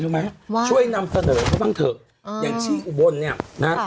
รู้ไหมว่าช่วยนำเสนอเขาบ้างเถอะอย่างชี้อุบลเนี่ยนะฮะ